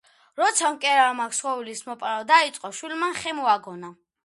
როცა მკერავმა ქსოვლის მოპარვა დაიწყო, შვილმან ხე მოაგონა.